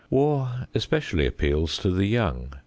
War especially appeals to the young.